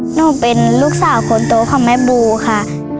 หนูเป็นลูกสาวคนโตของแม่บูค่ะ